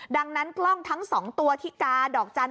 ดังนั้นกล้องทั้ง๒ตัวที่กาดอกจันท